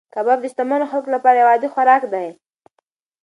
کباب د شتمنو خلکو لپاره یو عادي خوراک دی.